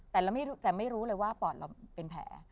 แต่ไม่รู้เลยว่าปอดเราเป็นแผล